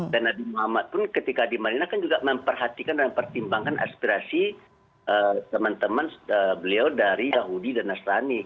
nabi muhammad pun ketika di madinah kan juga memperhatikan dan mempertimbangkan aspirasi teman teman beliau dari yahudi dan nasrani